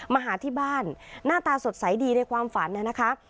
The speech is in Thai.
มาหาที่บ้านหน้าตาสดใสดีในความฝันนะคะ